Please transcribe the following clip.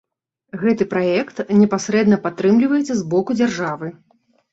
Гэты праект непасрэдна падтрымліваецца з боку дзяржавы.